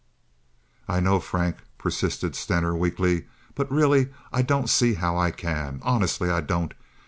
"I know, Frank," persisted Stener, weakly; "but, really, I don't see how I can. Honestly I don't.